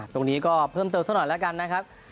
ตรงนี้ก็เพิ่มเติมสักหน่อยแล้วกันนะครับ